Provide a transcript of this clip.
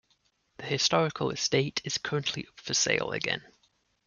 The historical estate is currently up for sale again.